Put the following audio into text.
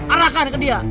arahkan ke dia